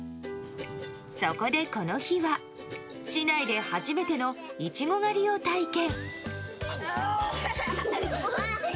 そこで、この日は市内で初めてのイチゴ狩りを体験。